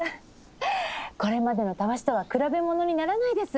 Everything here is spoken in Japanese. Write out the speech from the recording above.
これまでのたわしとは比べ物にならないです！